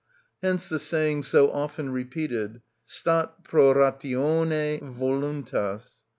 Hence the saying so often repeated, "_Stat pro ratione voluntas.